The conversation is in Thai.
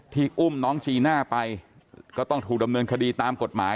อุ้มน้องจีน่าไปก็ต้องถูกดำเนินคดีตามกฎหมาย